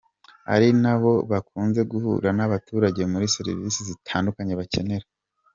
Ari nabo bakunze guhura n’abaturage muri serivisi zitandukanye bakenera.